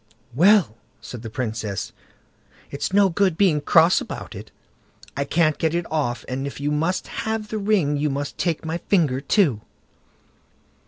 "Well", said the Princess, "it's no good being cross about it. I can't get it off, and if you must have the ring, you must take my finger too."